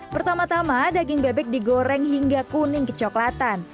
pertama tama daging bebek digoreng hingga kuning kecoklatan